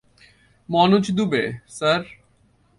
Manoj Dube, sir.